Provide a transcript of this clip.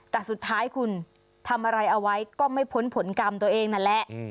แต่สุดท้ายคุณทำอะไรเอาไว้ก็ไม่พ้นผลกรรมตัวเองนั่นแหละ